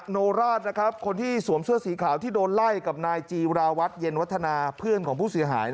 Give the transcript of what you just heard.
โนราชคนที่สวมเสื้อสีขาวที่โดนไล่กับนายจีราวัตรเย็นวัฒนาเพื่อนของผู้เสียหาย